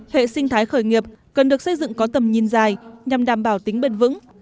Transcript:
hệ sinh thái khởi nghiệp cần được xây dựng có tầm nhìn dài nhằm đảm bảo tính bền vững